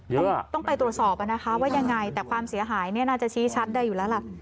เดี๋ยวต้องไปตรวจสอบนะคะว่ายังไงแต่ความเสียหายเนี่ยน่าจะชี้ชัดได้อยู่แล้วล่ะ